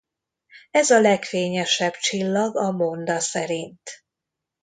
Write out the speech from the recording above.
Ez a legfényesebb csillag a monda szerint.